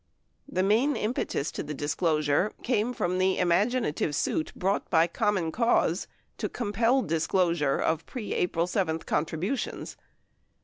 The main impetus to the disclosure came from the imagina tive suit brought bv Common Cause 6 to compel disclosure of pre April 7 contributions.